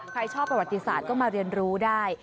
ใครชอบประวัติศาสตร์ก็มาเรียนรู้ได้